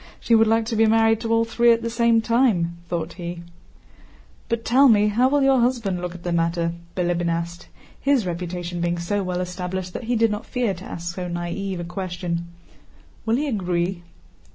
She would like to be married to all three at the same time," thought he. * A masterly woman. "But tell me, how will your husband look at the matter?" Bilíbin asked, his reputation being so well established that he did not fear to ask so naïve a question. "Will he agree?"